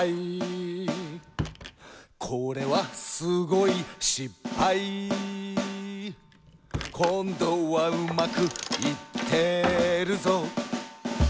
「これはすごいしっぱい」「こんどはうまくいってるぞ」